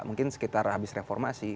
mungkin sekitar habis reformasi